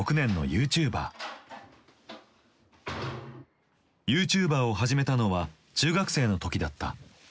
ユーチューバーを始めたのは中学生の時だった。